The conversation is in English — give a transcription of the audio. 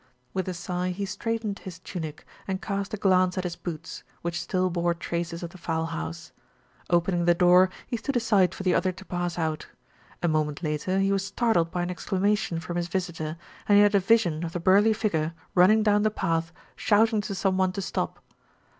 With a sigh, he straightened his tunic and cast a glance at his boots, which still bore traces of the fowl house. Opening the door, he stood aside for the other to pass out. A moment later he was startled by an ex clamation from his visitor, and he had a vision of the burly figure running down the path shouting to some one to stop.